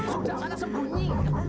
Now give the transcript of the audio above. sudah anda sembunyi